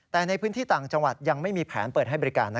แต่ในพื้นที่ต่างจังหวัดยังไม่มีแผนเปิดให้บริการ